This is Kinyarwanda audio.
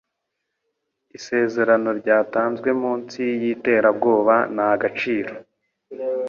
Isezerano ryatanzwe munsi yiterabwoba ntagaciro